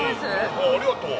ありがとう。